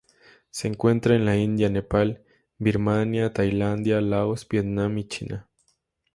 Se encuentra en la India Nepal, Birmania, Tailandia, Laos, Vietnam y China.